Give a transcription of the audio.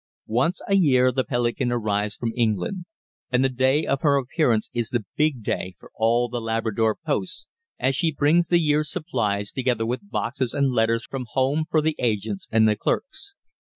Once a year the Pelican arrives from England, and the day of her appearance is the Big Day for all the Labrador posts, as she brings the year's supplies together with boxes and letters from home for the agents and the clerks.